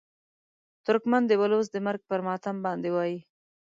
ترکمن د بلوڅ د مرګ پر ماتم باندې وایي.